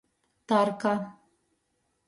Tarka.